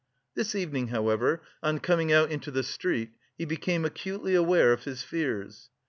This evening, however, on coming out into the street, he became acutely aware of his fears.